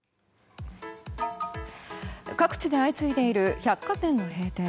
各地で相次いでいる百貨店の閉店。